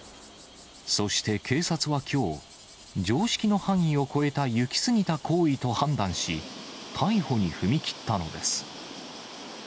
そして、警察はきょう、常識の範囲を超えた行き過ぎた行為と判断し、逮捕に踏み切ったのです。